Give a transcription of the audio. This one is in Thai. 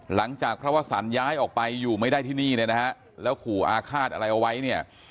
หลังจากพระวสันย้ายออกไปอยู่ไม่ได้ที่นี่เนี่ยนะฮะแล้วขู่อาฆาตอะไรเอาไว้เนี่ย